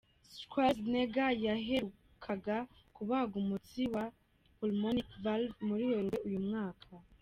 Schwarzenegger yaherukaga kubagwa umutsi wa “pulmonic valve” muri Werurwe uyu mwaka.